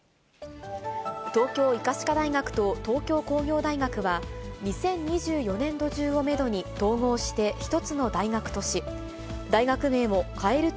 東京医科歯科大学と東京工業大学は、２０２４年度中をメドに統合して１つの大学とし、大学名も変える